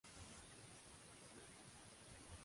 Cal Poly a Pomona va demostrar ser un amfitrió disposat.